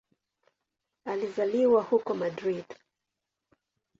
Alizaliwa huko Madrid.